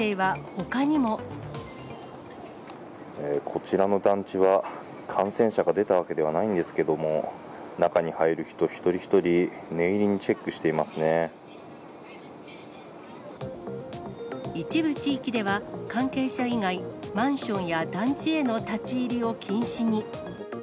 こちらの団地は、感染者が出たわけではないんですけども、中に入る人、一人一人、一部地域では、関係者以外、マンションや団地への立ち入りを禁止に。